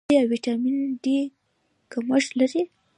ایا د ویټامین ډي کمښت لرئ؟